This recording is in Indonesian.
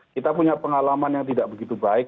kita punya pengalaman yang tidak begitu baik